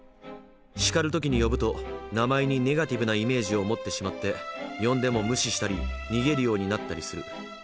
叱る時に呼ぶと名前にネガティブなイメージを持ってしまって呼んでも無視したり逃げるようになったりする。